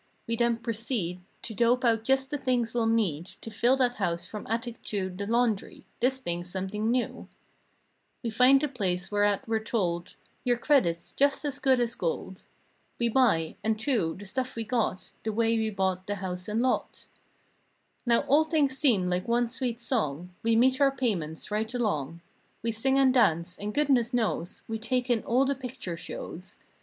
We then proceed To dope out just the things we'll need To fill that house from attic to The laundry (this thing's something new) We find the place whereat we're told— "Your credit's just as good as gold!" We buy—and, too, the stuff we got The way we bought the house and lot.. Now all things seem like one sweet song: We meet our payments right along; We sing and dance—and goodness knows We take in all the picture shows.